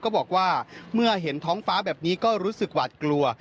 ก็บอกว่าเมื่อเห็นท้องฟ้าแบบนี้ก็รู้สึกหวาดกลัว